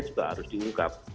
juga harus diungkap